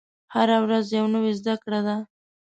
هره ورځ یوه نوې زده کړه ده.